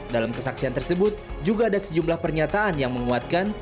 dalam kesaksian tersebut juga ada sejumlah pernyataan yang menguatkan